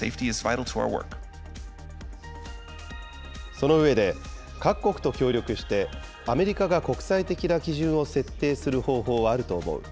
その上で、各国と協力して、アメリカが国際的な基準を設定する方法はあると思う。